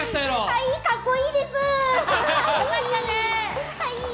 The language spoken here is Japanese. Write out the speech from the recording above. はい、かっこいいです、はい。